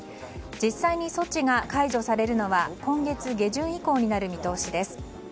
実際に措置が解除されるのは今月下旬移行になる見通しです。